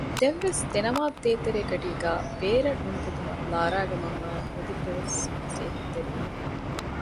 ދެންވެސް ދެނަމާދު ދޭތެރެ ގަޑީގައި ބޭރަށް ނުނިކުތުމަށް ލާރާގެ މަންމަ އާއި މުދިންބެ ވެސް ނަސޭހަތްތެރިވި